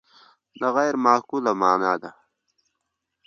دا غیر معقولة المعنی ده.